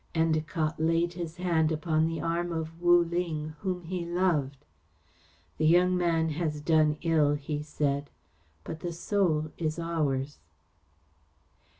Endacott laid his hand upon the arm of Wu Ling whom he loved. "The young man has done ill," he said, "but the Soul is ours."